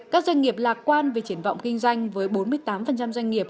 các doanh nghiệp lạc quan về triển vọng kinh doanh với bốn mươi tám doanh nghiệp